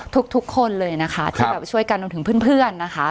ทุกทุกคนเลยนะคะครับที่แบบช่วยกันรวมถึงเพื่อนเพื่อนนะคะ